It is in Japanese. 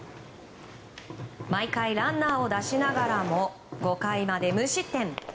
毎回ランナーを出しながらも５回まで無失点。